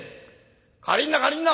借りんな借りんな！